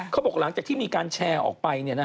เขาบอกหลังจากที่มีการแชร์ออกไป